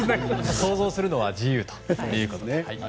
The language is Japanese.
想像するのは自由ということで。